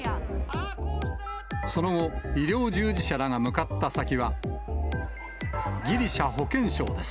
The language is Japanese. その後、医療従事者らが向かった先は、ギリシャ保健省です。